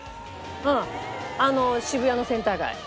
うんあの渋谷のセンター街。